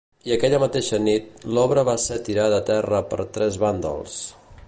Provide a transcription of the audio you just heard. I aquella mateixa nit, l'obra va ser tirada a terra per tres vàndals.